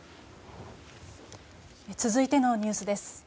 続いてのニュースです。